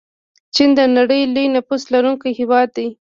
چین د نړۍ لوی نفوس لرونکی هیواد دی.